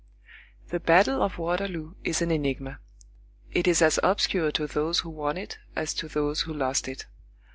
The battle of Waterloo is an enigma. It is as obscure to those who won it as to those who lost it.